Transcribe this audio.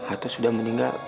atau sudah meninggal